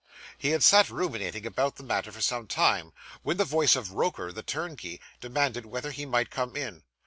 He had sat ruminating about the matter for some time, when the voice of Roker, the turnkey, demanded whether he might come in.